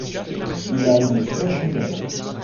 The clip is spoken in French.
Il a une soeur jumelle.